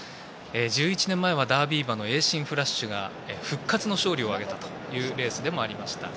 １１年前はダービー馬のエイシンフラッシュが復活の勝利を挙げたというレースでもありました。